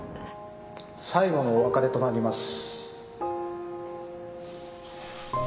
・最後のお別れとなります。